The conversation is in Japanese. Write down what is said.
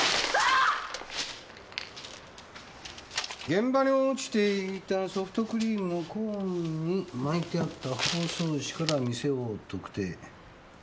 「現場に落ちていたソフトクリームのコーンに巻いてあった包装紙から店を特定」